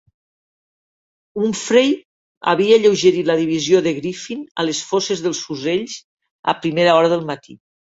Humphrey havia alleugerit la divisió de Griffin a les fosses dels fusells a primera hora del matí.